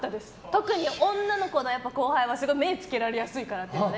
特に女の子の後輩はすごい目つけられやすいからということで。